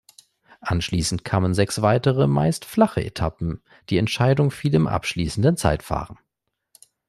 Anschließend kamen sechs weitere, meist flache Etappen, die Entscheidung fiel im abschließenden Zeitfahren.